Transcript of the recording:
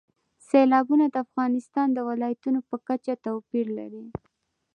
سیلابونه د افغانستان د ولایاتو په کچه توپیر لري.